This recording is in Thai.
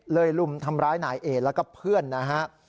เลยรุ่นทำร้ายหน่ายเอดแล้วก็เพื่อนนะฮะ